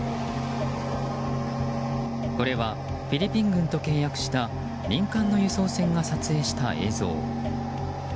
これはフィリピン軍と契約した民間の輸送船が撮影した映像。